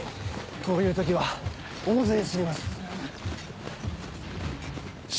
こういう時は大勢死にます。